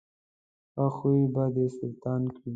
ښه خوی به دې سلطان کړي.